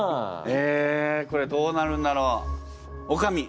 えこれどうなるんだろう？おかみ！